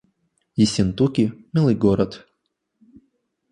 Ессентуки — милый город